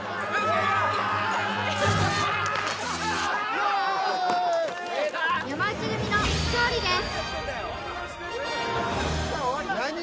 イエーイ山内組の勝利です